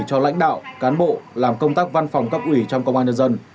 cho lãnh đạo cán bộ làm công tác văn phòng cấp ủy trong công an nhân dân